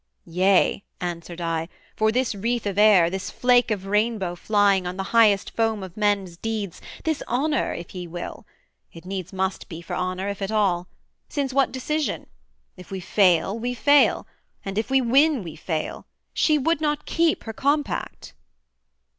'Yea,' answered I, 'for this wreath of air, This flake of rainbow flying on the highest Foam of men's deeds this honour, if ye will. It needs must be for honour if at all: Since, what decision? if we fail, we fail, And if we win, we fail: she would not keep Her compact.'